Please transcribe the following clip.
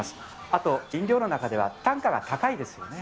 あと、飲料の中では単価が高いですよね。